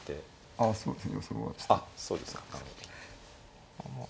ああそうですね。